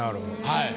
はい。